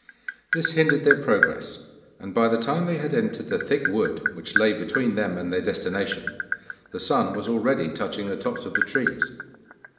This hindered their progress, and by the time they had entered the thick wood which lay between them and their destination the sun was already touching the tops of the trees.